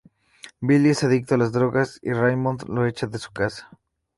Billy es adicto a las drogas y Raymond lo echa de su casa.